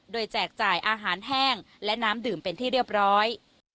โดยแจกจ่ายอาหารแห้งและน้ำดื่มเป็นที่เรียบร้อย